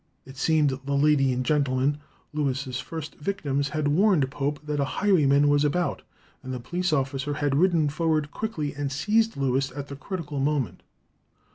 It seemed the lady and gentleman, Lewis's first victims, had warned Pope that a highwayman was about, and the police officer had ridden forward quickly and seized Lewis at the critical moment.